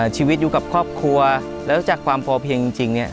ชีวิตอยู่กับครอบครัวแล้วจากความพอเพียงจริงเนี่ย